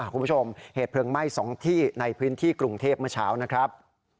คุณผู้ชมเหตุเพลิงไหม้๒ที่ในพื้นที่กรุงเทพเมื่อเช้านะครับ